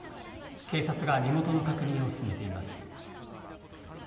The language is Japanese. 警察が身元の確認を進めています。